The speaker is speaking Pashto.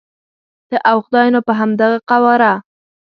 ته او خدای نو په همدغه قواره.